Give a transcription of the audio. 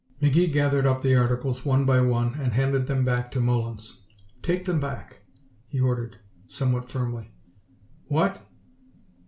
McGee gathered up the articles, one by one, and handed them back to Mullins. "Take them back," he ordered, somewhat firmly. "What!"